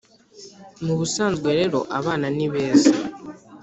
Mu busanzwe rero, abana ni beza